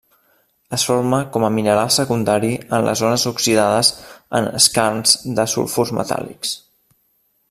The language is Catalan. Es forma com a mineral secundari en les zones oxidades en skarns de sulfurs metàl·lics.